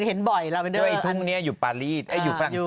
นี่นี่นี่นี่นี่นี่นี่นี่